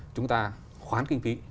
chúng ta khoán kinh phí